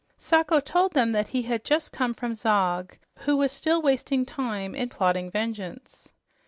Sacho told them that he had just come from Zog, who was still wasting time in plotting vengeance.